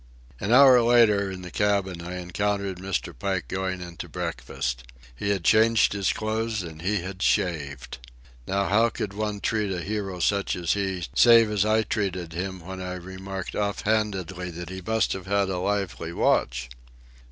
An hour later, in the cabin, I encountered Mr. Pike going into breakfast. He had changed his clothes, and he had shaved! Now how could one treat a hero such as he save as I treated him when I remarked off handedly that he must have had a lively watch?